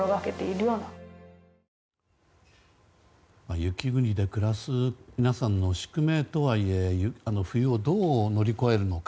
雪国で暮らす皆さんの宿命とはいえ冬をどう乗り越えるのか。